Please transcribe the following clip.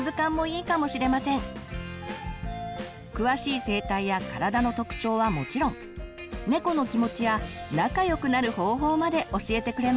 詳しい生態や体の特徴はもちろんねこの気持ちや仲良くなる方法まで教えてくれます。